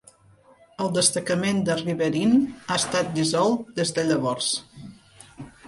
El Destacament de Riverine ha estat dissolt des de llavors.